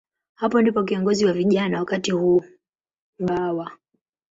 Hapo ndipo kiongozi wa vijana wakati huo, Bw.